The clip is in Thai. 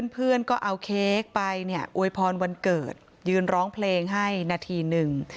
เพื่อนก็เอาเค้กไปเนี่ยอวยพรวันเกิดยืนร้องเพลงให้นาทีหนึ่ง